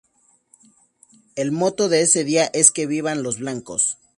El motto de ese día es: Que vivan los Blancos!